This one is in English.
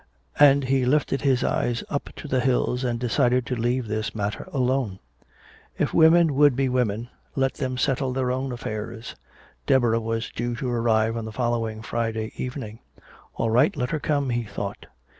And he lifted his eyes up to the hills and decided to leave this matter alone. If women would be women, let them settle their own affairs. Deborah was due to arrive on the following Friday evening. All right, let her come, he thought.